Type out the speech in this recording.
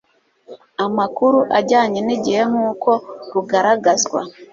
amakuru ajyanye n igihe nk uko rugaragazwa